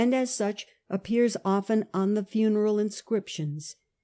as such appears often on the funeral in scriptions.